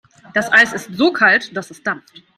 Das Eis ist so kalt, dass es dampft.